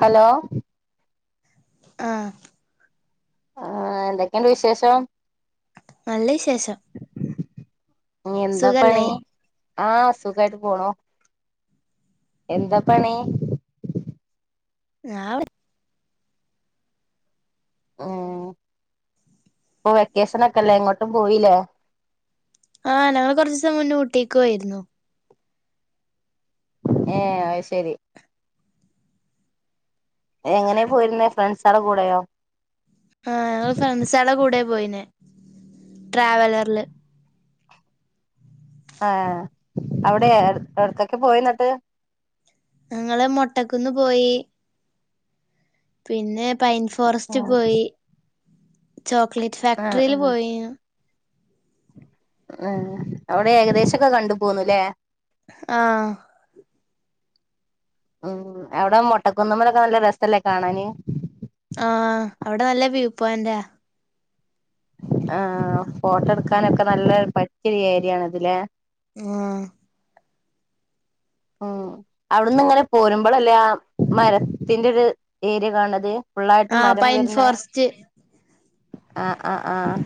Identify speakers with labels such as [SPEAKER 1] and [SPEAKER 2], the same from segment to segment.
[SPEAKER 1] Hello.
[SPEAKER 2] ആഹ്.
[SPEAKER 1] ആഹ് എന്തൊക്കെയുണ്ട് വിശേഷം?
[SPEAKER 2] നല്ല വിശേഷം.
[SPEAKER 1] ഇനി എന്താ പണി
[SPEAKER 2] സുഖല്ലേ
[SPEAKER 1] ആഹ് സുഖായിട്ട് പോണു. എന്താ പണി?
[SPEAKER 2] ഞാവ്ടെ-
[SPEAKER 1] ഉം ഇപ്പോ വെക്കേഷനൊക്കെല്ലേ എങ്ങോട്ടും പോയില്ലേ?
[SPEAKER 2] ആഹ് ഞങ്ങൾ കൊറച്ച്സം മുന്നേ ഊട്ടീക്കൊയിരുന്നു.
[SPEAKER 1] ഏഹ് അയ്ശരി. എങ്ങനാ പോയിരുന്നേ ഫ്രണ്ട്സടെ കൂടെയോ?
[SPEAKER 2] ആഹ് ഞങ്ങള് ഫ്രണ്ട്സ്ൾടെ കൂടെ പോയിനെ ട്രാവലറില്
[SPEAKER 1] ആഹ് അവിടെ എട് എവിടകൊക്കെ പോയി എന്നിട്ട്?
[SPEAKER 2] ഞങ്ങള് മൊട്ടക്കുന്ന് പോയി- പിന്നെ പൈൻ ഫോറസ്റ്റ്
[SPEAKER 1] ആ
[SPEAKER 2] പോയി ചോക്ലേറ്റ്
[SPEAKER 1] ആ
[SPEAKER 2] ഫാക്ടറിയിൽ
[SPEAKER 1] ആ
[SPEAKER 2] പോയി-
[SPEAKER 1] ഉം അവിടെ ഏകദേശംക്കെ കണ്ടു പോന്നല്ലേ-
[SPEAKER 2] ആഹ്.
[SPEAKER 1] ഉം അവിടെ മൊട്ടക്കുന്നമ്മലൊക്കെ നല്ല രസല്ലേ കാണാന്-
[SPEAKER 2] ആഹ് അവിടെ നല്ല വ്യൂ പോന്റാ.
[SPEAKER 1] ആഹ് ഫോട്ടോ എടുക്കാനൊക്കെ നല്ല പറ്റിയൊരു ഏരിയണ് അതില്ലേ-
[SPEAKER 2] ആഹ്.
[SPEAKER 1] ഉം അവ്ട്ന്ന്ങ്ങനെ പോരുമ്പളല്ലേ ആ മരത്തിന്റെര് ഏരിയകാണ്ന്നത്- ഫുള്ളായിട്ട്
[SPEAKER 2] ആഹ് പൈൻ
[SPEAKER 1] മരംവെര്ണേ
[SPEAKER 2] ഫോറസ്റ്റ്
[SPEAKER 1] ആഹ് ആഹ് ആഹ്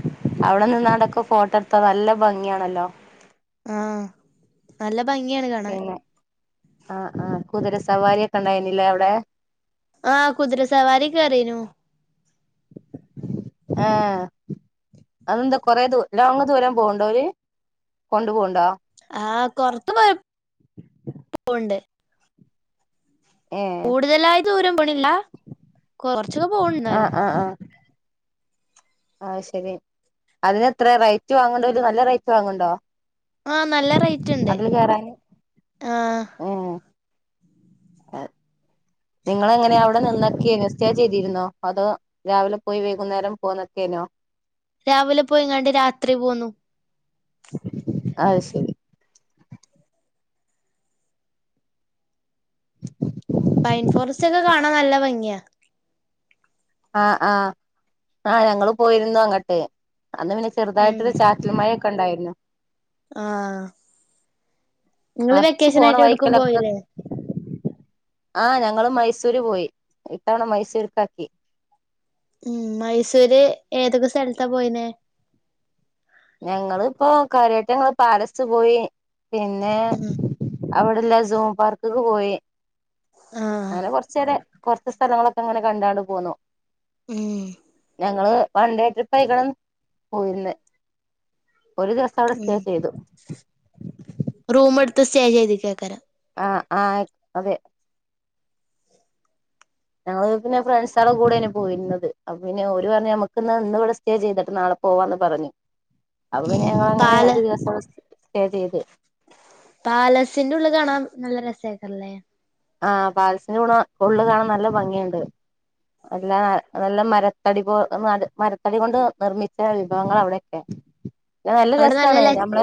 [SPEAKER 1] അവിടെ നിന്നാണ്ടൊക്കെ ഫോട്ടട്ത്ത നല്ല ഭംഗിയാണല്ലോ-
[SPEAKER 2] ആഹ് നല്ലഭംഗിയാണ്കാണാൻ.
[SPEAKER 1] പിന്നെ ആഹ് ആഹ് കുതിരസവാരിക്കെ ഇണ്ടായിനില്ലേ അവിടെ-
[SPEAKER 2] ആഹ് കുതിരസവാരികേറീനു.
[SPEAKER 1] ആഹ്. അതെന്താ കൊറെ ദൂ ലോങ്ങ് ദൂരം പോവുണ്ടോര് കൊണ്ട്പോവ്ണ്ടോ?
[SPEAKER 2] ആഹ് കൊറത്ത്മൊയ പോവ്ണ്ട്.
[SPEAKER 1] ഏഹ്
[SPEAKER 2] കൂടുതലായിദൂരം പൊണില്ല കൊറച്ചൊക്കെപോവ്ണ്ട്ന്നാലും.
[SPEAKER 1] അആഹ്. ആയ്ശരി അതിനെത്രറയ്റ്റ് വാങ്ങ്ണ്ടേത് നല്ലറെയിറ്റ് വാങ്ങ്ണ്ടോ?
[SPEAKER 2] ആഹ് നല്ലറേറ്റ്ണ്ട്
[SPEAKER 1] അതില് കേറാന്
[SPEAKER 2] ആഹ്.
[SPEAKER 1] അ നിങ്ങളെങ്ങനെയാ അവിടെ നിന്ന്കേനിയോ? സ്റ്റേചെയ്തിരുന്നോ അതോരാവിലെപോയിവൈകുന്നേരം പൊന്ന്കേനിയോ?
[SPEAKER 2] രാവിലെപോയിങ്ങാണ്ട് രാത്രിപോന്നു.
[SPEAKER 1] അയ്ശരി.
[SPEAKER 2] പൈൻഫോറസ്റ്റക്കെ കാണാനല്ലഭംഗിയാ-
[SPEAKER 1] ആഹ് ആഹ് ആഹ് ഞങ്ങളുപോയിരുന്നുഅങ്ങട്ട് അന്ന്
[SPEAKER 2] ഉം
[SPEAKER 1] പിന്നെചെറുതായിട്ടൊരു ചാ റ്റല്മയൊക്കെണ്ടായിരുന്നു.
[SPEAKER 2] ആഹ്. നിങ്ങള് വെക്കേഷൻ ആയിട്ട് എവിടുക്കും
[SPEAKER 1] അർച്ച്പോണവൈക്കലൊക്കെ
[SPEAKER 2] പോയില്ലേ
[SPEAKER 1] ആഹ് ഞങ്ങള്മൈസൂര്പോയി ഇത്തവണമൈസൂര്ക്കാക്കി.
[SPEAKER 2] ഉം, മൈസൂര് ഏതൊക്കെ, സ്ഥൽത്ത പോയീനേ?
[SPEAKER 1] ഞങ്ങള്പ്പോ കാര്യായിട്ടങ്ങള് പാലസ്പോയി. പിന്നേ,
[SPEAKER 2] ഉം
[SPEAKER 1] അവിടെള്ള സൂം പാർക്ക്ക്ക് പോയി.
[SPEAKER 2] ആഹ്
[SPEAKER 1] അങ്ങനെ കൊറച്ചേരെ കൊറച്ച് സ്ഥലങ്ങളൊക്കെ അങ്ങനെ കണ്ടാണ്ട് പോന്നു.
[SPEAKER 2] ഉം
[SPEAKER 1] ഞങ്ങള് വൺഡേട്രിപ്പ് ആയിക്കണ് പോയിര്ന്നേ. ഒര് ദിവസം അവ്ടെ സ്റ്റേ ചെയ്തു.
[SPEAKER 2] റൂമ്ട്ത്ത് സ്റ്റേ ചെയ്തിക്കേക്കാരം.
[SPEAKER 1] ആഹ്, ആഹ് അതെ. ഞങ്ങള് പിന്നെ ഫ്രണ്ട്സളെ കൂടെനി പോയിര്ന്നത്. അപ്പ പിന്നെ ഓര് പറഞ്ഞി നമ്മക്കിന്ന് ഇന്ന്വ്ടെ സ് സ്റ്റേ ചെയ്തിട്ട് നാളെ പോവാന്ന് പറഞ്ഞ്. അപ്പൊ പിന്നെ
[SPEAKER 2] ഉം
[SPEAKER 1] ഞങ്ങളങ്ങനെ
[SPEAKER 2] പാല
[SPEAKER 1] അഞ്ച് ദിവസം അവിടെ സ്റ്റേ ചെയ്ത്.
[SPEAKER 2] പാലസിന്റുള്ള് കാണാ നല്ല രസയ്ക്കാരല്ലേ?
[SPEAKER 1] ആഹ് പാലസ്ന്റെ ഉണോ ഉള്ള് കാണാൻ നല്ല ഭംഗിയുണ്ട്. എല്ലാ നല്ലമരത്തടിപോ മര മരത്തടി കൊണ്ട് നിർമ്മിച്ച വിഭവങ്ങള അവിടെ ഒക്കെ. ഇന്നാ നല്ല
[SPEAKER 2] അവിടെ
[SPEAKER 1] രസാണ്.
[SPEAKER 2] ല
[SPEAKER 1] ഞമ്മള്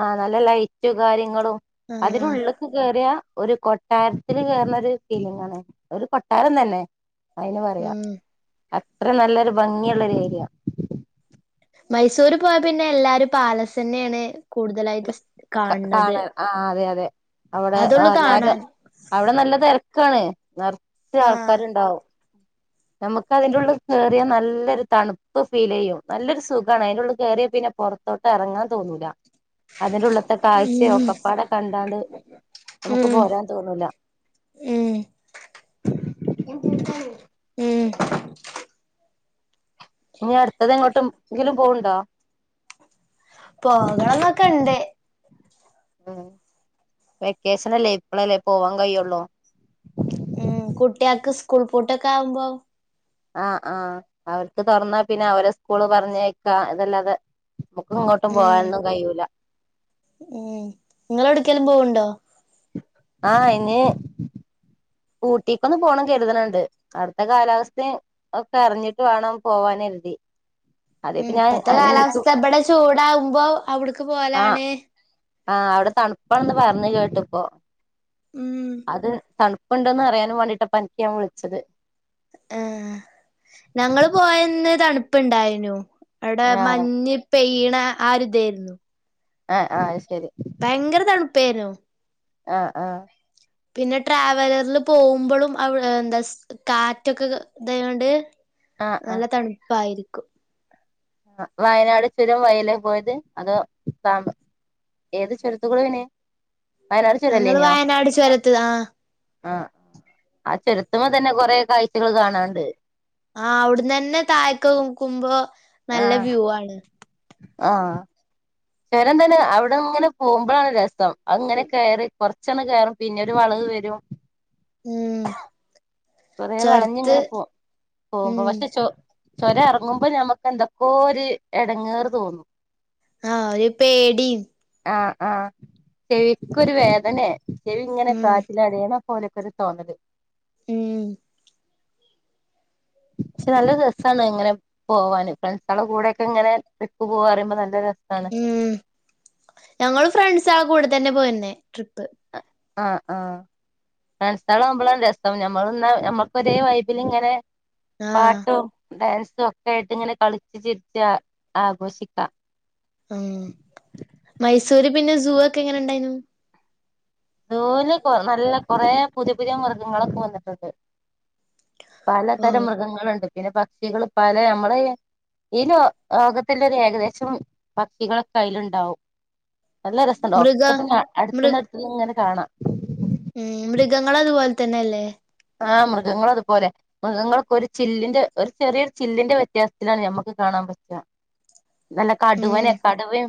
[SPEAKER 1] ആ നല്ല ലൈറ്റ് കാര്യങ്ങളും,
[SPEAKER 2] ആഹ്
[SPEAKER 1] അതിനുള്ള് ക്ക് കേറിയ ഒരു കൊട്ടാര്ത്തില് കേറുന്നൊര് ഫീലിംങ്ങാണ് ഒരു കൊട്ടാരം തന്നെ. അയിന് പറയാ
[SPEAKER 2] ഉം
[SPEAKER 1] അത്ര നല്ലൊരു ഭംഗിയുള്ളൊര് ഏര്യ.
[SPEAKER 2] മൈസൂര് പോയ പിന്നെ എല്ലാരു പാലസന്നേണ് കൂടുതലായിട്ട് കാൺണത്.
[SPEAKER 1] ആഹ്, അതെ, അതെ അവുടെ എല്ലാരും
[SPEAKER 2] കാണാൻ
[SPEAKER 1] അവുടെ നല്ല തെരക്കാണ്. നർ ച്ച്
[SPEAKER 2] ആഹ്
[SPEAKER 1] ആൾക്കാര്ണ്ടാവും. നമ്മക്ക് അതിന്റെ ഉള്ള് കേറിയാ നല്ലെര് തണുപ്പ് ഫീലെയ്യും, നല്ലൊരു സുഖാണ് അയിന്റെ ഉള്ള് കേറിയ പിന്നെ പൊർ തോട്ടറങ്ങാൻ തോന്നൂല. അതിന്റെ ഉള്ള്ത്തെ കാഴ്ച
[SPEAKER 2] ഉം
[SPEAKER 1] ഒക്കപ്പാടെ കണ്ടാണ്ട് നമുക്ക്
[SPEAKER 2] ഉം
[SPEAKER 1] പോരാൻ തോന്നൂല.
[SPEAKER 2] ഞാൻ കൂട്ടാണ്
[SPEAKER 1] ഇഞ്ഞി അടുത്തതെങ്ങോട്ടുംങ്കിലും പോവ്ണ്ടോ?
[SPEAKER 2] പോകണംന്നൊക്കെ ഇണ്ട്.
[SPEAKER 1] ആഹ്, വെക്കേഷനല്ലേ ഇപ്പളല്ലേ പോവാൻ കഴിയുള്ളൂ.
[SPEAKER 2] ഉം, കുട്ടികൾക്ക് സ്കൂൾ പൂട്ടൊക്കെ ആവുമ്പം
[SPEAKER 1] ആഹ്, ആഹ് അവർക്ക് തുറന്നാ പിന്നെ അവരെ സ്കൂള് പറഞ്ഞേക്കാ ഇതല്ലാതെ നമുക്ക് ഇങ്ങോട്ടും
[SPEAKER 2] ഉം
[SPEAKER 1] പോവാനൊന്നും കഴിയൂല.
[SPEAKER 2] ഉം, നിങ്ങള് എവിട്ക്കേലും പോവ്ണ്ടോ?
[SPEAKER 1] ആ, ഇഞ്ഞ് ഊട്ടിക്കൊന്ന് പോണം കെര്ത്ണണ്ട് അടുത്ത കാലാവസ്ഥി ഒക്കെ അറിഞ്ഞിട്ട് വേണം പോവാൻ കെര്തി.
[SPEAKER 2] ഉം, ഇപ്പത്തെ കാലാവസ്ഥ ഇബടെ ചൂടാവുമ്പോ അവിട്ക്ക് പോവലാണ്.
[SPEAKER 1] ആ, അവിടെ തണുപ്പാണ് എന്ന് പറഞ്ഞ് കേട്ട് ഇപ്പൊ,
[SPEAKER 2] ഉം
[SPEAKER 1] അത് തണു പ്പ് ഇണ്ട്ന്ന് അറിയാനു വേണ്ടയിട്ട ഇപ്പൊ അൻക്ക് ഞാൻ വിളിച്ചത്.
[SPEAKER 2] ഏഹ്, ഞങ്ങള് പോയന്ന് തണുപ്പുണ്ടായിനു. അവിടെ
[SPEAKER 1] ആഹ്
[SPEAKER 2] മഞ്ഞ് പെയ്യ്ണ ആ ഒര് ഇതേയിരുന്നു.
[SPEAKER 1] ആഹ്, ആഹ് അഹ് ശെരി.
[SPEAKER 2] ഭയങ്കര തണുപ്പേനു.
[SPEAKER 1] ആഹ്, ആഹ്
[SPEAKER 2] പിന്നെ ട്രാവലറില് പോവുമ്പളും അവി എന്താ കാറ്റൊക്കെ ഇതായൊണ്ട്
[SPEAKER 1] ആഹ്
[SPEAKER 2] നല്ല തണുപ്പായിരിക്കും.
[SPEAKER 1] വയനാട് ചുരം വഴിയെല്ലെ പോയത് അതോ താമ ഏത് ചുരത്ത്ക്കൂടേണ്
[SPEAKER 2] ഞങ്ങള് വയനാട് ചൊരത്ത് ആഹ്
[SPEAKER 1] ആഹ് ആ ചൊരത്ത്മ്മെ അതെന്നെ കൊറേ കാഴ്ചകള് കാണാണ്ട്
[SPEAKER 2] ആഹ് അവ്ട്ന്നെന്നെ താഴെക്കോക് ക്കുമ്പോ നല്ല
[SPEAKER 1] ആഹ്
[SPEAKER 2] വ്യൂ ആണ്
[SPEAKER 1] ആഹ് ചൊരം തന്നെ അവ്ടെ ഇങ്ങനെ പോവുമ്പളാണ് രസം അഹ് ഇങ്ങനെ കേറി കൊർച്ചൊന്ന് കേറും പിന്നെ ഒരു വളവ് വെരും
[SPEAKER 2] ഉം
[SPEAKER 1] കൊറേ വളഞ്ഞ്
[SPEAKER 2] ചൊരത്ത്
[SPEAKER 1] ഇങ്ങനെ പോ പോവുമ്പോ
[SPEAKER 2] ഉം
[SPEAKER 1] പക്ഷെ ചൊ ചൊരം എറങ്ങുമ്പോ ഞമ്മക്ക് എന്തക്കോ ര് എടങ്ങേറ് തോന്നും
[SPEAKER 2] ആഹ് ഒര് പേടിം
[SPEAKER 1] ആഹ് ആഹ് ചെവിക്കൊരു വേദനേ ചെവി ഇങ്ങനെ
[SPEAKER 2] ഉം
[SPEAKER 1] കാറ്റ്ല് അടീണ പോലെക്കൊരു തോന്നല്
[SPEAKER 2] ഉം
[SPEAKER 1] പക്ഷെ നല്ല രസാല്ലെ അങ്ങനെ പോവാന് ഫ്രണ്ട്സാളെ കൂടെക്കെ ഇങ്ങനെ ട്രിപ്പ് പോവ്വാ അറീമ്പൊ നല്ല രസാണ്
[SPEAKER 2] ഉം ഞങ്ങള് ഫ്രണ്ട്സാളെ കൂടെ തന്നെ പോയിന്നെ ട്രിപ്പ്
[SPEAKER 1] ആഹ് ആഹ് ഫ്രണ്ട്സാള് ആവുമ്പളാണ് രെസം ഞമ്മള് ഇന്ന നമ്മക്ക് ഒരേ വൈബ് ല് ഇങ്ങനെ
[SPEAKER 2] ആഹ്
[SPEAKER 1] പാട്ടും ഡാൻസും ഒക്കെ ആയിട്ട് ഇങ്ങനെ കളിച്ച് ചിര്ച്ച് ആ ആഘോഷിക്കാ
[SPEAKER 2] അഹ് മൈസൂര് പിന്നെ സൂ ഒക്കെ എങ്ങനെ ഇണ്ടായ്നു
[SPEAKER 1] സൂല് കൊ നല്ല കൊറേ പുത്യെ പുത്യെ മൃഗങ്ങളൊക്കെ വന്നിട്ടുണ്ട്
[SPEAKER 2] ഓ
[SPEAKER 1] പലതരം മൃഗങ്ങള്ണ്ട് പിന്നെ പക്ഷികള് പലെ അമ്മളെ ഈ ഈ ലോ ലോകത്ത്ല്ലൊര് ഏകദേശം പക്ഷികളൊക്കെ അയ്ല്ണ്ടാവും നല്ല രെസണ്ടാവും
[SPEAKER 2] മൃഗ
[SPEAKER 1] ഒക്കത്തിനിം
[SPEAKER 2] മൃ
[SPEAKER 1] അട്ത്ത്ന്ന് അട്ത്ത്ന്ന് ഇങ്ങനെ കാണാ
[SPEAKER 2] ഉം മൃഗങ്ങള് അത്പോൽതന്നെല്ലേ
[SPEAKER 1] ആഹ് മൃഗങ്ങള് അത്പോലെ മൃഗങ്ങളൊക്കൊരു ചില്ലിന്റെ ഒര് ചെറ്യേ ഒര് ചില്ലിന്റെ വ്യത്യാസത്തിലാണ് ഞമ്മക്ക് കാണാൻ പ റ്റ നല്ല
[SPEAKER 2] ഉം
[SPEAKER 1] കടുവനെ കടുവയും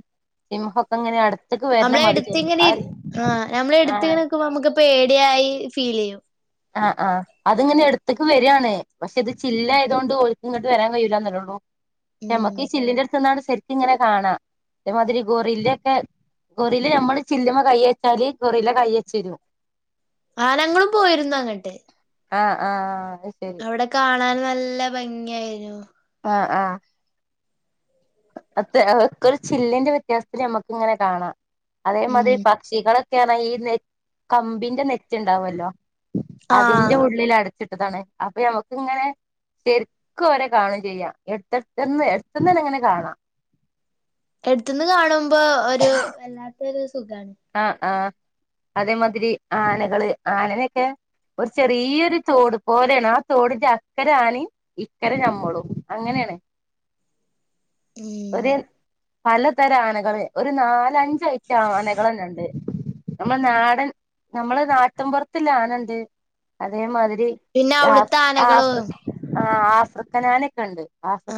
[SPEAKER 1] സിംഹൊക്കെ ഇങ്ങനെ അട്ത്ത്ക്ക്
[SPEAKER 2] അമ്മ്ളെ എട്ത്തിങ്ങനെ ഇര് ആഹ് ഞമ്മളെ
[SPEAKER 1] ആഹ്
[SPEAKER 2] എട്ത്ത്ങ്ങനെ നിക്കുമ്പൊ അമ്മക്ക് പേടി ആയി ഫീല്യ്യും
[SPEAKER 1] ആഹ് ആഹ് അത് ഇങ്ങനെ എട്ത്ത്ക്ക് വെരാണ് പക്ഷെ ഇത് ചില്ലാതോണ്ട് ഓൽക്ക് ഇങ്ങട്ട് വെരാൻ കയ്യൂലാന്നെല്ലൊള്ളു ക്ഷേ
[SPEAKER 2] ഉം
[SPEAKER 1] അമ്മക്ക് ഈ ചില്ലിന്റെ അട്ത്ത്ന്നാണ്ട് സെരിക്ക് ഇങ്ങനെ കാണാ അതെമാതിരി ഗൊറില്ല്യ ഒക്കെ ഗൊറില്ല ഞമ്മള് ചില്ല്മ്മെ കയ്യെച്ചാല് ഗൊറില്ല കയ്യെച്ചെരും
[SPEAKER 2] ആഹ് നങ്ങളും പോയിരുന്നു അങ്ങട്ട്
[SPEAKER 1] ആഹ് ആഹ് ആഹ് അയ്ശരി
[SPEAKER 2] അവ്ടെ കാണാന് നല്ല ഭംങ്ങ്യേയ്നു
[SPEAKER 1] ആഹ് ആഹ് അത്ത് അഹ്ഒക്കൊരു ചില്ലിന്റെ വ്യത്യാസ്ത്ത്ല് ഞമ്മക്ക് ഇങ്ങനെ കാണാ
[SPEAKER 2] ഉം
[SPEAKER 1] അതേമാതിരി പ ക്ഷികളൊക്കെ അർഞ്ഞാ ഈ നെ കമ്പിന്റെ നെറ്റ് ഇണ്ടാവൊല്ലോ അതിന്റെ
[SPEAKER 2] ആഹ്
[SPEAKER 1] ഉള്ളിലട ച്ചിട്ടതാണ് അപ്പ ഞമ്മക്ക് ഇങ്ങനെ ശെര്ക്ക് ഓലെ കാണും ചെയ്യാ എട്ത്തെട്ത്ത്ന്ന് എട്ത്ത്ന്നന്നെ ഇങ്ങനെ കാണാ
[SPEAKER 2] എട്ത്ത്ന്ന് കാണുമ്പോ ഒരു വല്ലാത്തൊരു സുഖാണ്
[SPEAKER 1] ആഹ് ആഹ് അതേമാതിരി ആനകള് ആനനെക്കേ ഒരു ചെറീയ്യൊര് തോട് പോലേണ് ആ തോടിന്റെ അക്കരെ ആനിം ഇക്കരെ ഞമ്മളും അങ്ങനേണ് [inaudible]
[SPEAKER 2] [inaudible]
[SPEAKER 1] ഒരു പലതരം ആനകൾ ഒരു നാലഞ്ചഐറ്റ ആന ണ്ട് നമ്മള് നാടൻ നമ്മള് നാട്ടൻപുറത്ത്ല്ല ആനുണ്ട് അതേമാതിരി
[SPEAKER 2] പിന്നെ അവിടുത്തെ
[SPEAKER 1] ആ
[SPEAKER 2] ആനകളും
[SPEAKER 1] ആഫ്രിക്കനാനൊക്കെ ഉണ്ട്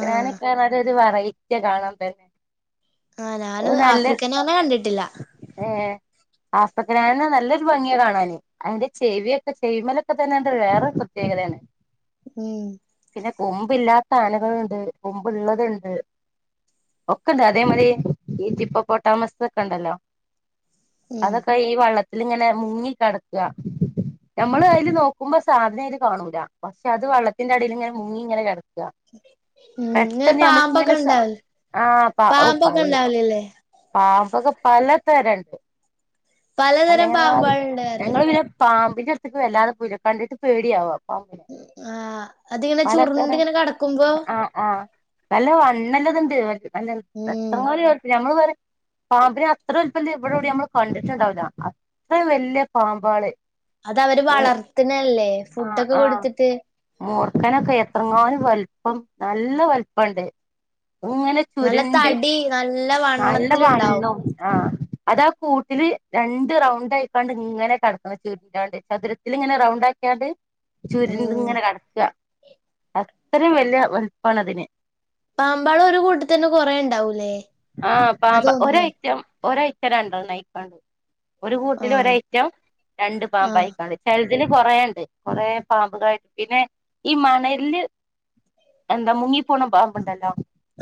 [SPEAKER 2] ആഹ്
[SPEAKER 1] അതരു വെറൈറ്റിയ കാണാൻ തന്നെ
[SPEAKER 2] ആ ഞാൻ
[SPEAKER 1] നല്ല
[SPEAKER 2] ആഫ്രിക്കൻ ആനനെ കണ്ടിട്ടില്ല
[SPEAKER 1] ഏ ആഫക്കആനനെ നല്ലൊരു ഭംഗിയ കാണാന് അതിന്റെ ചേവിയൊക്കെ ചേവിമലൊക്കന്നെയ വേറെ പ്രത്യേകതയാണ്
[SPEAKER 2] ഉം
[SPEAKER 1] പിന്നെ കൊമ്ബ് ഇല്ലാത്ത ആനകളുണ്ട് കൊമ്പ്ള്ളത്ണ്ട് ഒക്കെന്താ അതേ മതി ഈ ടിപ്പപ്പോട്ടാമസ ഒക്കെ ഉണ്ടല്ലോ
[SPEAKER 2] ഉം
[SPEAKER 1] അതൊക്കെ ഈ വള്ളത്തിങ്ങനെ മുങ്ങിക്കിടക്കുക നമ്മള് അതില് നോക്കുമ്പോ സാധനം അതിൽ കാണൂല പക്ഷെ അത് വള്ളത്തിന്റെ അടിയിൽ ഇങ്ങനെ മുങ്ങ്ങി കിടക്ക
[SPEAKER 2] [inaudible] ഉം ഇങ്ങനെ പാമ്പൊക്കെ
[SPEAKER 1] നമ്മളിങ്ങനെ സ
[SPEAKER 2] ഇണ്ടാവും
[SPEAKER 1] ആഹ് പ
[SPEAKER 2] പാമ്പൊക്കെ ഇണ്ടാവലില്ലേ
[SPEAKER 1] പാമ്പൊക്കെ പല തരം ഉണ്ട്
[SPEAKER 2] പലതരം
[SPEAKER 1] അതേമാതിരി
[SPEAKER 2] പാമ്പാളുണ്ട് പറഞ്ഞ്
[SPEAKER 1] ഞങ്ങൾ പാമ്പിന്റെ അടുത്തക്ക് വല്ലാതെ പു കണ്ടിട്ട് പേടിയവാ
[SPEAKER 2] ആ അതിങ്ങനെ
[SPEAKER 1] പലതരം
[SPEAKER 2] ചുറണ്ടിങ്ങനെ കടക്കുമ്പോ
[SPEAKER 1] ആഹ് ആഹ് വല്ല വണ്ണല്ലതുണ്ട്ല്ല
[SPEAKER 2] ഉം
[SPEAKER 1] എത്രങ്ങല ഞമ്മള് പറ പാമ്പിനെ അത്ര ഉല്പ്പന്നം ഇവിടെൂടി നമ്മൾ കണ്ടിട്ടുണ്ടാവില്ല അത്ര വല്യ പാമ്പാണ്
[SPEAKER 2] അത് അവര് വളർത്തണല്ലേ ഫുഡൊക്കെ കൊടുത്തിട്ട്
[SPEAKER 1] മൂർക്കനൊക്കെ എത്രങ്ങാലും വൽപ്പം നല്ല വലപ്പുണ്ട് ഇങ്ങനെ
[SPEAKER 2] നല്ല
[SPEAKER 1] ചുരുണ്ട്
[SPEAKER 2] തടി നല്ല
[SPEAKER 1] നല്ല
[SPEAKER 2] വണ്ണത്തിലുണ്ടാവും
[SPEAKER 1] വണ്ണോ ആഹ് അതാ കൂട്ടില് രണ്ട് റൗണ്ട് ആയിക്കാണ്ട് ഇങ്ങനെ കിടക്കുന്ന ചുരുറണ്ട് ചതുര ഇതി ഇങ്ങനെ റൗണ്ട് ആക്കിയാണ്ട് ചുരി
[SPEAKER 2] ഉം
[SPEAKER 1] ഇങ്ങനെ കിടക്കുക അത്രയും വല വലുപ്പമാണ് അതിന്
[SPEAKER 2] പാമ്പ് അവരെ കൂട്ടത്തിൽ കുറെ ഇണ്ടാവുമല്ലേ അതോ
[SPEAKER 1] ഒരയ്ച്ചം രണ്ടെണ്ണംയിക്കാണ്ട ഒരു കൂട്ടിൽ
[SPEAKER 2] ആഹ്
[SPEAKER 1] ഒരാഴ്ച രണ്ട് പാബ്
[SPEAKER 2] ആഹ്
[SPEAKER 1] ആയിക്കാണ്ട് ചെലത്തിൽ കൊറെഉണ്ട് കുറെ പാമ്പ കായിട്ട് പിന്നെ ഈ മണലില് എന്താ മുങ്ങി പോണ പാമ്പുണ്ടല്ലോ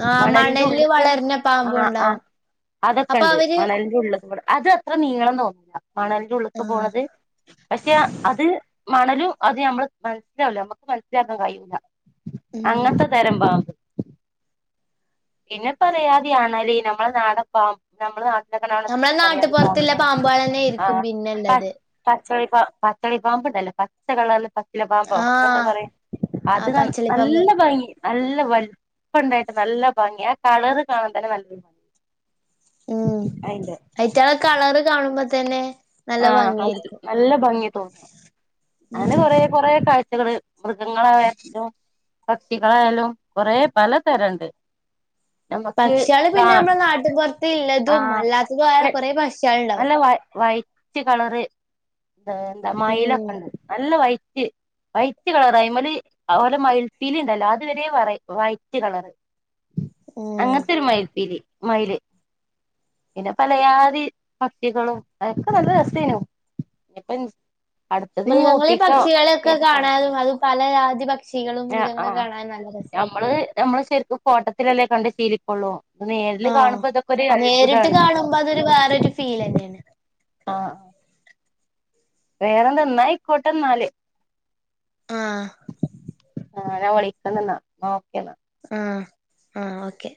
[SPEAKER 2] ആഹ്
[SPEAKER 1] മണലിന്റെ
[SPEAKER 2] മണലില്
[SPEAKER 1] ഉള്ളിക്ക്
[SPEAKER 2] വളരുന്ന
[SPEAKER 1] ആ
[SPEAKER 2] പാമ്പും
[SPEAKER 1] ആ
[SPEAKER 2] ഉണ്ടാവും
[SPEAKER 1] അതൊക്കെ
[SPEAKER 2] അപ്പൊ
[SPEAKER 1] ഉണ്ട്
[SPEAKER 2] അവര്
[SPEAKER 1] മണലിന്റെ ഉള്ളിലേക്ക് അത് അത്ര നീളം തോന്നില്ല മണലിന്റെ ഉള്ളിലക്ക്
[SPEAKER 2] ആഹ്
[SPEAKER 1] പോണത് പക്ഷെ അത് മണലും അത് നമ്മള് മനസ്സിലാവില്ല നമ്മുക്ക് മനസ്സിലാക്കുന്ന കഴില്ല
[SPEAKER 2] ഉം
[SPEAKER 1] അങ്ങനത്തെ തരം പാമ്പ പിന്നെ പലയാതെ അണലി നമ്മളെ നാടൻ മ്പ നമ്മൾ നാട്ടിലൊക്കെ
[SPEAKER 2] നമ്മളെ
[SPEAKER 1] ഉണ്ടാവുന്ന
[SPEAKER 2] നാട്ടുപുറത്തുള്ള
[SPEAKER 1] പാമ്പുകളും
[SPEAKER 2] പാമ്പാളന്നെ
[SPEAKER 1] ആ
[SPEAKER 2] ആയിരിക്കും പിന്നെള്ളത്
[SPEAKER 1] പച്ചളി പച്ചളി പാമ്പുണ്ടല്ലേ പച്ച കളർ പ പാമ്പ എന്താ
[SPEAKER 2] ആഹ്
[SPEAKER 1] പറയാ അത്
[SPEAKER 2] ആഹ്
[SPEAKER 1] ന
[SPEAKER 2] പച്ചളിപ്പാമ്പ്
[SPEAKER 1] നല്ല ഭംഗി നല്ല വ ഇപ്പ ഇണ്ടായിട്ട് നല്ല ഭംഗി ആ കളറ് കാണാൻ തന്നെ നല്ലരു ഭംഗി അയിന്റെ
[SPEAKER 2] അഐറ്റങ്ങളെ കളറ് കാണുമ്പോ തന്നെ നല്ല
[SPEAKER 1] ആഹ്
[SPEAKER 2] ഭംഗിയായിരിക്കും
[SPEAKER 1] നല്ല ഭംഗി തോന്നും അങ്ങനെ
[SPEAKER 2] ഉം
[SPEAKER 1] കൊറ കൊറെ കാഴ് മൃഗങ്ങളായാലും പക്ഷികളായാലും കൊറേ പല തരണ്ട്
[SPEAKER 2] പക്ഷികൾ പിന്നെ നമ്മുടെ നാട്ടി പുറത്ത് ഇല്ലതും
[SPEAKER 1] ആഹ്
[SPEAKER 2] അല്ലാത്തതും ആയ
[SPEAKER 1] വെ
[SPEAKER 2] കുറേ പക്ഷികൾ
[SPEAKER 1] നല്ല വ വൈറ്റ് കളറ് ആഹ് എന്താ
[SPEAKER 2] ഉം
[SPEAKER 1] മയിലൊക്കെ ഇണ്ട് നല്ല വഴറ്റ് വൈറ്റ് കളർ അയ്മല് ഓരോ മയിൽ പീലി ഉണ്ടാലോ അതുവരെ വെറൈ വൈറ്റ് കളറ്
[SPEAKER 2] ഉം
[SPEAKER 1] അങ്ങനത്തെരു മയിൽ‌പീലി മയില് പിന്നെ പലയാതി പക്ഷികളും അതൊക്കെ നല്ല രസേനു ഇപ്പ
[SPEAKER 2] മൃഗങ്ങളിൽ പക്ഷികളെയൊക്കെ
[SPEAKER 1] കേട്ട് പോണം
[SPEAKER 2] കാണാനും അത് പല ജതി പക്ഷികളും
[SPEAKER 1] ആഹ്
[SPEAKER 2] മൃഗങ്ങളെ
[SPEAKER 1] ആഹ്
[SPEAKER 2] കാണാനും നല്ല രസ
[SPEAKER 1] നമ്മള് നമ്മളെ ശരിക്കും ഫോട്ടത്തിലല്ലേ കണ്ട് ശീലിക്കൊള്ളൂ അത് നേരില് കാണുമ്പോ ഇതൊക്കെരു അത്ഭുതാണ്
[SPEAKER 2] ആവുമ്പോ അതൊരു വേറെരു ഫീൽ തന്നെയാണ്
[SPEAKER 1] ആഹ് വേറെ എന്തന്നായിക്കോട്ടെ എന്നാല്
[SPEAKER 2] ആഹ്
[SPEAKER 1] ആഹ് ഞാ വിളിക്കണ്ട്ന്ന ഓക്കെന്നാ
[SPEAKER 2] ആഹ് ആഹ് ഓക്കെ